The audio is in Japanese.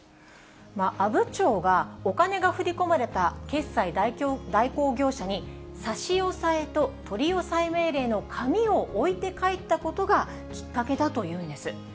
阿武町は、お金が振り込まれた決済代行業者に、差し押さえと取り押さえ命令の紙を置いて帰ったことがきっかけだというんです。